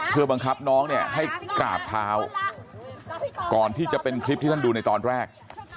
เพื่อบังคับน้องเนี่ยให้กราบเท้าก่อนที่จะเป็นคลิปที่ท่านดูในตอนแรก